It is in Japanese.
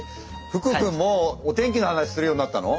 福くんもうお天気の話するようになったの？